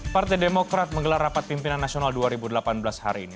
partai demokrat menggelar rapat pimpinan nasional dua ribu delapan belas hari ini